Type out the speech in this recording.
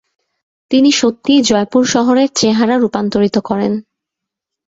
তিনি সত্যিই জয়পুর শহরের চেহারা রূপান্তরিত করেন।